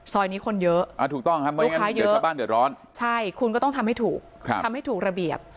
ซอยนี้คนเยอะลูกค้าเยอะใช่คุณก็ต้องทำให้ถูกทำให้ถูกระเบียบ